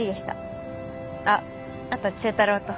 あっあと忠太郎と。